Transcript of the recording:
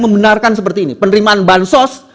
membenarkan seperti ini penerimaan ban sos